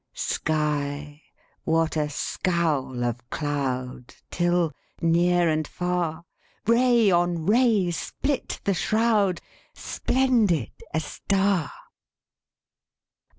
Sky what a scowl of cloud Till, near and far, Ray on ray split the shroud: Splendid, a star!